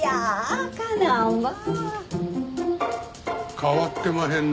変わってまへんな。